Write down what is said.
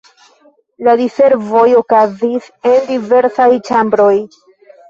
La diservoj okazis en diversaj ĉambroj.